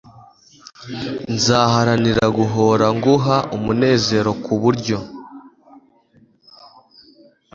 nzaharanira guhora nguha umunezero kuburyo